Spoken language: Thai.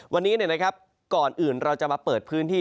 วันนี้ก่อนอื่นเราจะมาเปิดพื้นที่